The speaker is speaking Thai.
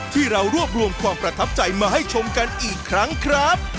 ที่เรารวบรวมความประทับใจมาให้ชมกันอีกครั้งครับ